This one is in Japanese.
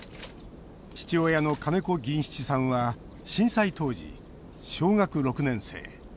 父親の金子銀七さんは震災当時、小学６年生。